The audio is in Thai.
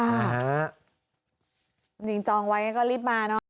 จริงจองไว้ก็รีบมาเนอะ